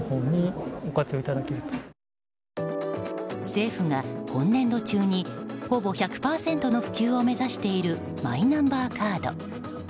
政府が今年度中にほぼ１００％の普及を目指しているマイナンバーカード。